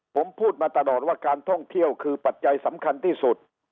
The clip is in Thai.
ผมพูดมาตลอดว่าการท่องเที่ยวคือปัจจัยสำคัญที่สุด